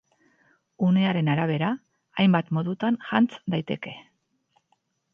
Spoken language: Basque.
Unearen arabera, hainbat modutan jantz daiteke.